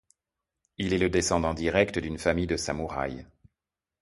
Il est le descendant direct d’une famille de samouraïs.